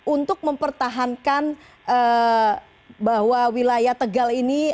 untuk mempertahankan bahwa wilayah tegal ini